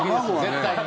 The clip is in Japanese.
絶対に。